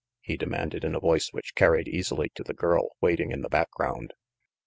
he demanded in a voice which carried easily to the girl waiting in the background.